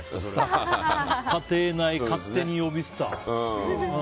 家庭内、勝手に呼びスター。